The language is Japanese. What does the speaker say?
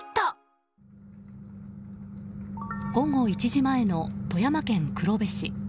午後１時前の富山県黒部市。